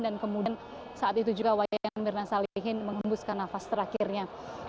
dan kemudian saat itu juga wayan mirna salihin menghembuskan nafas terakhirnya